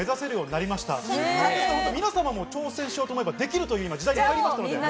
皆様も挑戦しようと思えばできるという時代になったわけです。